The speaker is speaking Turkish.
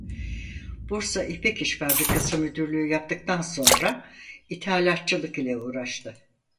Bursa İpek-İş Fabrikası Müdürlüğü yaptıktan sonra İthalatçılık ile uğraştı.